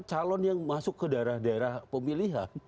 calon yang masuk ke daerah daerah pemilihan